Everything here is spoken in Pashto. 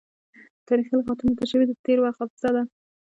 تاریخي لغتونه د ژبې د تیر وخت حافظه ده.